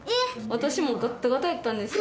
私もガタガタやったんですよ。